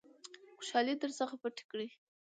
خوشالۍ در څخه پټې کړي .